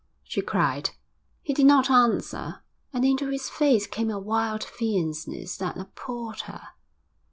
she cried. He did not answer, and into his face came a wild fierceness that appalled her.